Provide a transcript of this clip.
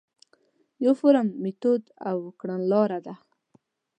یو فورم، میتود او کڼلاره ده.